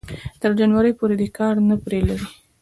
تر جنوري پورې دې کار نه پرې لري